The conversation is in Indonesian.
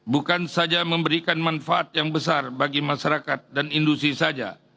bukan saja memberikan manfaat yang besar bagi masyarakat dan industri saja